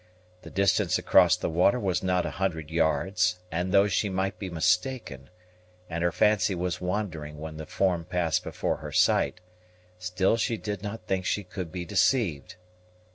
The distance across the water was not a hundred yards; and, though she might be mistaken, and her fancy was wandering when the form passed before her sight, still she did not think she could be deceived.